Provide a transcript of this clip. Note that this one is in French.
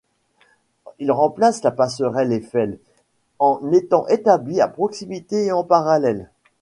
Il remplace la Passerelle Eiffel en étant établi à proximité et en parallèle.